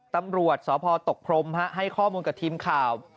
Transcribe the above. ตำรวจสพตกพรมให้ข้อมูลกับทีมข่าว